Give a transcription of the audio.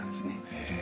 へえ。